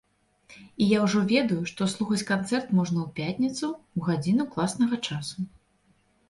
І я ўжо ведаю, што слухаць канцэрт можна ў пятніцу, у гадзіну класнага часу.